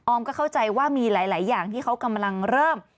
ก็เข้าใจว่ามีหลายอย่างที่เขากำลังเริ่ม